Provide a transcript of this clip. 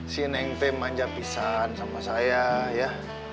si neng teh manja pisah sama saya ya